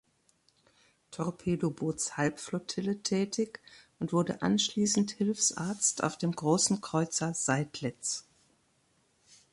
Torpedobootshalbflottille tätig und wurde anschließend Hilfsarzt auf dem Großen Kreuzer "Seydlitz".